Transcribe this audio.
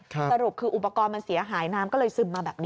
สรุปคืออุปกรณ์มันเสียหายน้ำก็เลยซึมมาแบบนี้